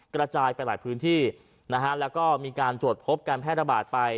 กระจายไปหลายพื้นที่นะฮะแล้วก็มีการตรวจพบการแพร่ระบาดไป